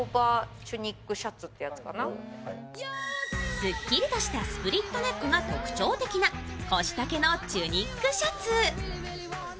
すっきりとしたスプリットネックが特徴的な腰丈のチュニックシャツ。